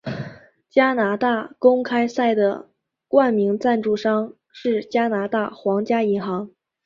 加拿大公开赛的冠名赞助商是加拿大皇家银行。